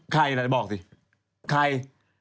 ใครล่ะบอกสิใคร